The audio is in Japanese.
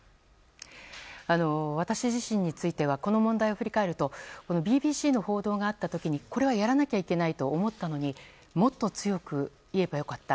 私自身についてはこの問題を振り返るとＢＢＣの報道があった時にこれはやらなきゃいけないと思ったのにもっと強く言えば良かった。